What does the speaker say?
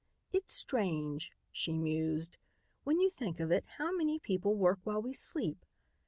"It's strange," she mused, "when you think of it, how many people work while we sleep.